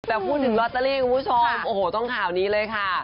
แต่พูดถึงลอตเตอรี่คุณผู้ชมโอ้โหต้องข่าวนี้เลยค่ะ